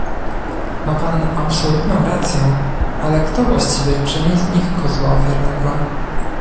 Ma pan absolutną rację, ale kto właściwie czyni z nich kozła ofiarnego?